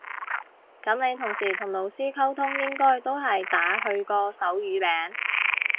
噉你平時同老師溝通應該都係打佢個手語名